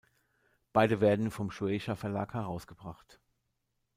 Beide werden vom Shūeisha-Verlag herausgebracht.